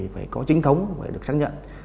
phải có chính thống phải được xác nhận